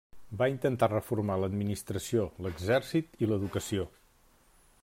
Va intentar reformar l'administració, l'exèrcit i l'educació.